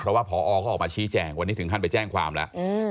เพราะว่าพอเขาออกมาชี้แจงวันนี้ถึงขั้นไปแจ้งความแล้ว